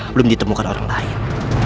belum ditemukan orang lain